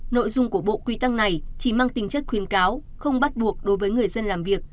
nội dung của bộ quy tắc này chỉ mang tính chất khuyến cáo không bắt buộc đối với người dân làm việc